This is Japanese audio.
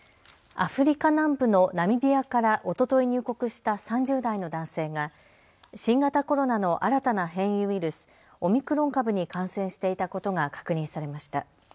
アフリカ南部のナミビアからおととい入国した３０代の男性が新型コロナの新たな変異ウイルス、オミクロン株に感染していたことが確認されました。